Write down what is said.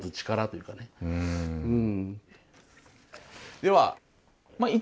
うん。